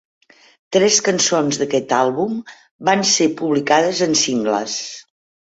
Tres cançons d'aquest àlbum van ser publicades en singles.